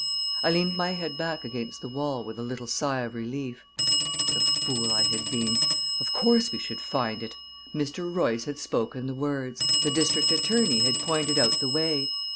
I leaned my head back against the wall with a little sigh of relief. What a fool I had been! Of course, we should find it! Mr. Royce had spoken the words, the district attorney had pointed out the way.